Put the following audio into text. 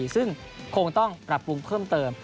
ซึ่งคงต้องปรับปรุงเพิ่มเติม